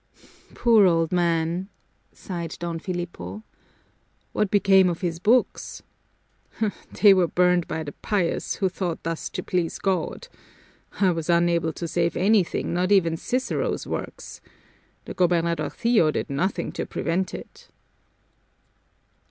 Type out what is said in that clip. "Poor old man!" sighed Don Filipo. "What became of his books?" "They were burned by the pious, who thought thus to please God. I was unable to save anything, not even Cicero's works. The gobernadorcillo did nothing to prevent it."